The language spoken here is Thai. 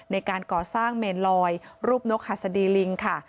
ในการก่อสร้างเมนลอยรูปนกหัสดีลิงค่ะ